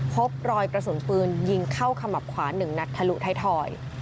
พบรอยประสุนฟืนยิงเข้าขมับขวานหนึ่งนักทะลุไทยทอย